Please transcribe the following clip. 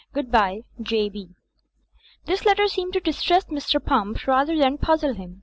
Goodbye. J. B." This letter seemed to distress Mr. Pump rather than puzzle him.